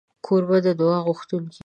کوربه د دعا غوښتونکی وي.